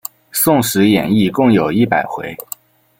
宋史演义共有一百回。